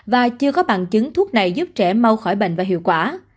và chưa có bằng chứng thuốc này giúp trẻ mau khỏi bệnh và hiệu quả